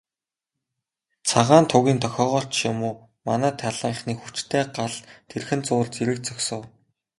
Цагаан тугийн дохиогоор ч юм уу, манай талынхны хүчтэй гал тэрхэн зуур зэрэг зогсов.